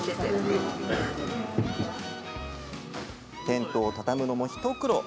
テントを畳むのも一苦労。